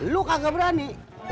lo kagak berani